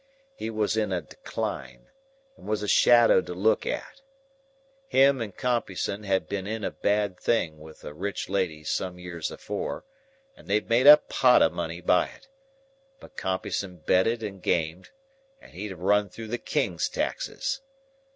He was in a Decline, and was a shadow to look at. Him and Compeyson had been in a bad thing with a rich lady some years afore, and they'd made a pot of money by it; but Compeyson betted and gamed, and he'd have run through the king's taxes.